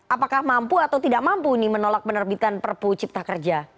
apakah mampu atau tidak mampu ini menolak penerbitan perpu ciptakerja